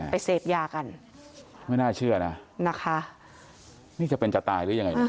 เสพยากันไม่น่าเชื่อนะนะคะนี่จะเป็นจะตายหรือยังไงเนี่ย